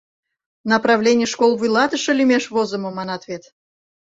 Направлений школ вуйлатыше лӱмеш возымо, манат вет?